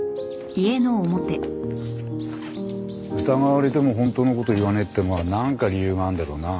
疑われても本当の事を言わねえってのはなんか理由があるんだろうな。